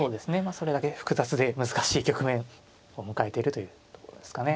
それだけ複雑で難しい局面を迎えてるというところですかね。